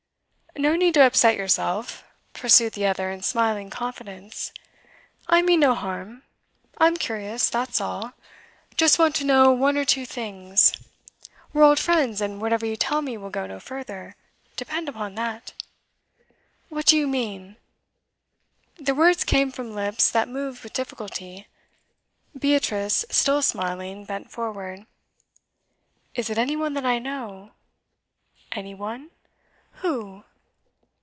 'No need to upset yourself,' pursued the other in smiling confidence. 'I mean no harm. I'm curious, that's all; just want to know one or two things. We're old friends, and whatever you tell me will go no further, depend upon that.' 'What do you mean?' The words came from lips that moved with difficulty. Beatrice, still smiling, bent forward. 'Is it any one that I know?' 'Any one ? Who